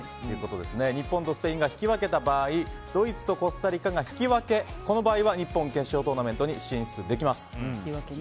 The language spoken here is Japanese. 日本とスペインが引き分けた場合ドイツとコスタリカが引き分けの場合は日本、決勝トーナメントに進出できます。